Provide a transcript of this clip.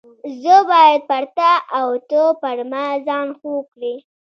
زه باید پر تا او ته پر ما ځان خوږ کړې.